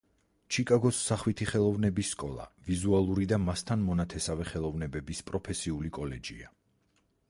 ჩიკაგოს სახვითი ხელოვნების სკოლა ვიზუალური და მასთან მონათესავე ხელოვნებების პროფესიული კოლეჯია.